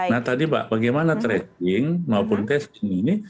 nah tadi pak bagaimana tracing maupun testing ini